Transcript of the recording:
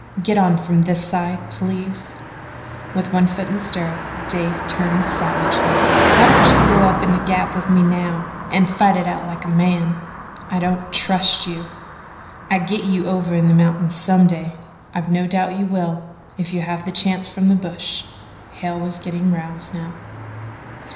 "Get on from this side, please." With one foot in the stirrup, Dave turned savagely: "Why don't you go up in the Gap with me now an' fight it out like a man?" "I don't trust you." "I'll git ye over in the mountains some day." "I've no doubt you will, if you have the chance from the bush." Hale was getting roused now.